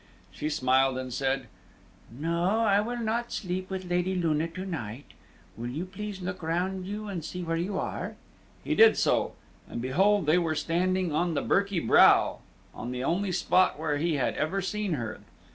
She smiled, and said, "No, I will not sleep with Lady Luna to night. Will you please to look round you, and see where you are." He did so, and behold they were standing on the Birky Brow, on the only spot where he had ever seen her.